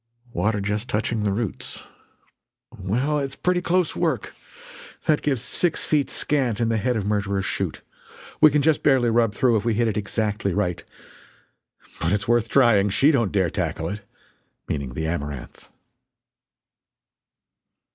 "Water just touching the roots." "Well it's pretty close work. That gives six feet scant in the head of Murderer's Chute. We can just barely rub through if we hit it exactly right. But it's worth trying. She don't dare tackle it!" meaning the Amaranth.